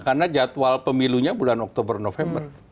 karena jadwal pemilunya bulan oktober november